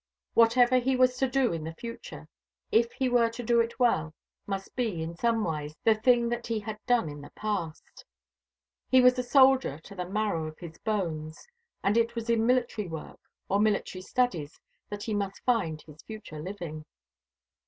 Whatever he was to do in the future, if he were to do it well, must be, in somewise, the thing that he had done in the past. He was a soldier to the marrow of his bones, and it was in military work, or military studies, that he must find his future living.